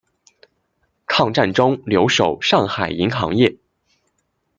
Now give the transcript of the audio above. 抗战中留守上海银行业。